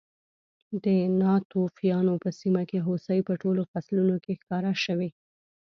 د ناتوفیانو په سیمه کې هوسۍ په ټولو فصلونو کې ښکار شوې.